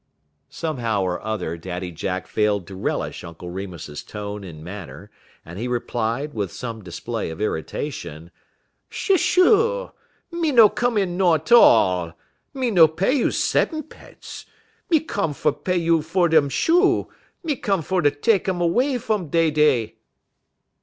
Somehow or other Daddy Jack failed to relish Uncle Remus's tone and manner, and he replied, with some display of irritation: "Shuh shuh! Me no come in no'n 't all. Me no pay you se'mpunce. Me come fer pay you fer dem shoe; me come fer tek um 'way fum dey dey."